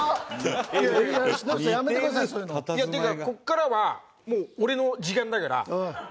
ここからはもう俺の時間だから。